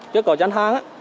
chưa có dán hàng